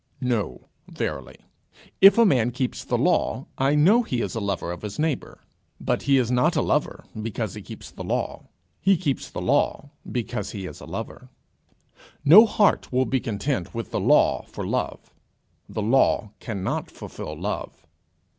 No, verily. If a man keeps the law, I know he is a lover of his neighbour. But he is not a lover because he keeps the law: he keeps the law because he is a lover. No heart will be content with the law for love. The law cannot fulfil love.